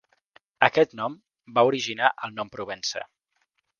Aquest nom va originar el nom Provença.